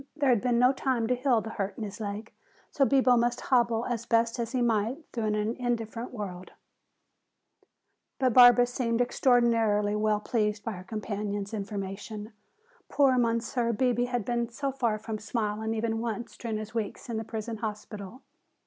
There had been no time to heal the hurt in his leg, so Bibo must hobble as best he might through an indifferent world. But Barbara seemed extraordinarily well pleased by her companion's information. Poor Monsieur Bebé had been so far from smiling even once during his weeks in the prison hospital.